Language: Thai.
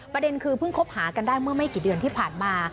ประเด็นคือเพิ่งคบหากันได้เมื่อไม่กี่เดือนที่ผ่านมา